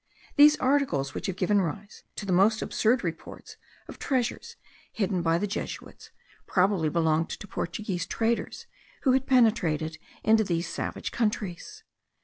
These articles, which have given rise to the most absurd reports of treasures hidden by the Jesuits, probably belonged to Portuguese traders who had penetrated into these savage countries.